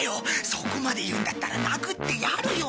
そこまで言うんだったら殴ってやるよ。